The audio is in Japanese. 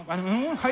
はい。